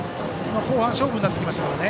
後半勝負になってきますからね。